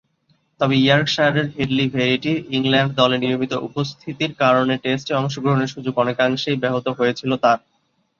তবে, ইয়র্কশায়ারের Hadlee ভেরিটি’র England দলে নিয়মিত উপস্থিতির কারণে টেস্টে অংশগ্রহণের সুযোগ অনেকাংশেই ব্যাহত হয়েছিল তার।